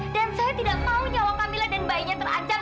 dan saya tidak mau nyawa camilla dan bayinya terancam